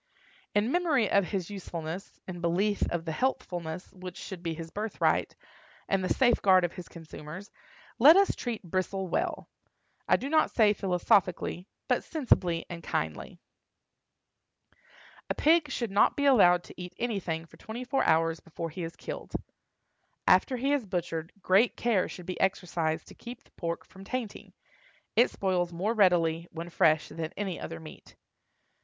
In memory of his usefulness, in belief of the healthfulness which should be his birthright, and the safeguard of his consumers, let us treat Bristle well—I do not say philosophically, but sensibly and kindly. A pig should not be allowed to eat anything for twenty four hours before he is killed. After he is butchered, great care should be exercised to keep the pork from tainting; it spoils more readily, when fresh, than any other meat.